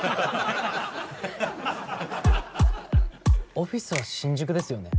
「オフィスは新宿ですよね？」。